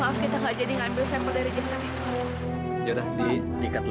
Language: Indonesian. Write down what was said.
maaf kita nggak jadi ngambil sampel dari jasadnya